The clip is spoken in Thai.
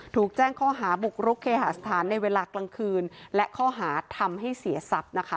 ถูกแจ้งข้อหาบุกรุกเคหาสถานในเวลากลางคืนและข้อหาทำให้เสียทรัพย์นะคะ